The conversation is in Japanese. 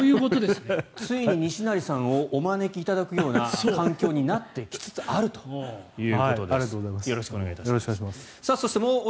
ついに西成さんをお招きいただくような環境になってきつつあるということです。